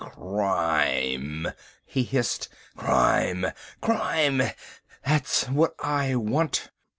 "Crime," he hissed. "Crime, crime, that's what I want."